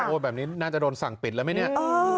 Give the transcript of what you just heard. แบบนี้น่าจะโดนสั่งปิดแล้วไหมเนี่ย